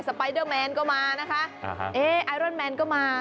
ไปเดอร์แมนก็มานะคะเอ๊ไอรอนแมนก็มา